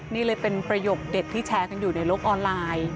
นี่เลยเป็นประโยคเด็ดที่แชร์กันอยู่ในโลกออนไลน์